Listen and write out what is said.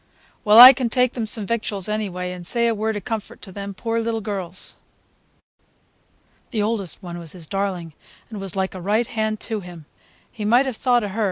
"Well, I can take them some victuals, anyway, and say a word of comfort to them poor little girls. The oldest one was his darling, and was like a right hand to him. He might have thought of her.